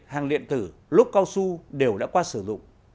hàng điện tử lốt cao su đều đã qua sử dụng